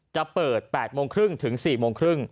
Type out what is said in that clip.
จะเปิด๘โมงครึ่งถึง๔โมงครึ่ง